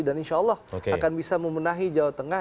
dan insya allah akan bisa memenahi jawa tengah